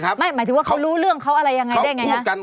หมายถึงว่าเขารู้เรื่องเขาอะไรยังไงได้ไงคะ